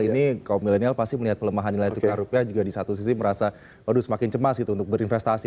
ini kaum milenial pasti melihat pelemahan nilai tukar rupiah juga di satu sisi merasa aduh semakin cemas gitu untuk berinvestasi